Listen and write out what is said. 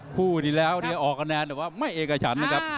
คู่ที่แล้วออกคะแนนเขาว่าไม่เอกชันครับ